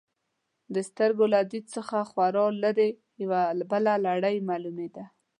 د سترګو له دید څخه خورا لرې، یوه بله لړۍ معلومېده.